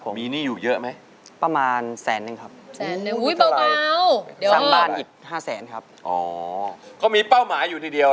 หนังเรื่องใหม่ของเราแล้ว